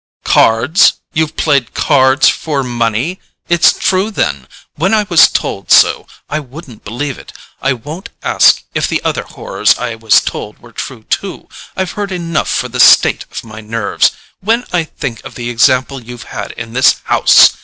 "Cards—you've played cards for money? It's true, then: when I was told so I wouldn't believe it. I won't ask if the other horrors I was told were true too; I've heard enough for the state of my nerves. When I think of the example you've had in this house!